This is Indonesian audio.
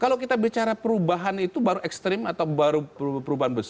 kalau kita bicara perubahan itu baru ekstrim atau baru perubahan besar